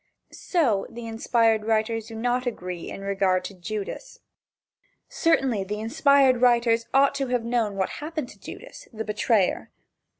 So, the inspired writers do not agree in regard to Judas. Certainly the inspired writers ought to have known what happened to Judas, the betrayer.